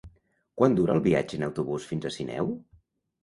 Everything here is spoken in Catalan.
Quant dura el viatge en autobús fins a Sineu?